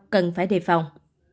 cần phải đề phòng